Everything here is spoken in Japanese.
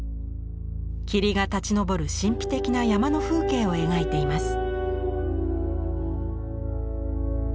霧が立ち上る神秘的な山の風景を描いています。